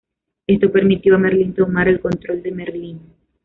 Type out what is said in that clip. Esto permitió a Merlín tomar el control de Merlyn.